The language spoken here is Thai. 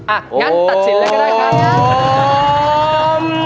อ่ะงั้นตัดสินเลยก็ได้ครับ